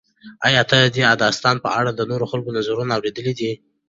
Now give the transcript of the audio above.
ایا ته د دې داستان په اړه د نورو خلکو نظرونه اورېدلي دي؟